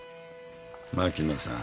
槙野さん。